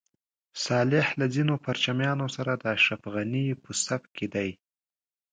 صالح له ځینو پرچمیانو سره د اشرف غني په صف کې دی.